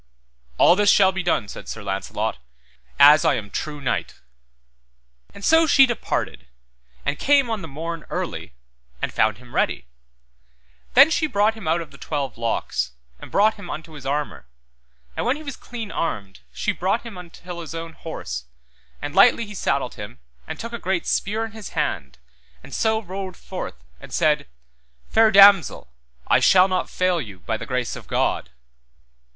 All this shall be done, said Sir Launcelot as I am true knight. And so she departed, and came on the morn early, and found him ready; then she brought him out of twelve locks, and brought him unto his armour, and when he was clean armed, she brought him until his own horse, and lightly he saddled him and took a great spear in his hand and so rode forth, and said, Fair damosel, I shall not fail you, by the grace of God.